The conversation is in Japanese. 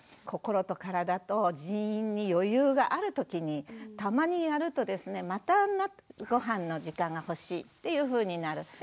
心と体と人員に余裕がある時にたまにやるとですねまたごはんの時間が欲しいっていうふうになる。